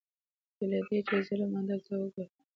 بې له دې چې ظلم عدل ته وګوري